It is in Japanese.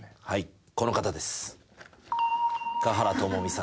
はい。